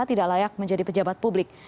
tidak layak menjadi pejabat publik